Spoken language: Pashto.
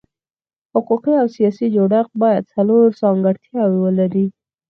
حقوقي او سیاسي جوړښت باید څلور ځانګړتیاوې ولري.